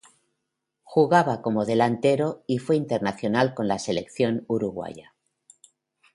Jugaba como delantero y fue internacional con la selección uruguaya.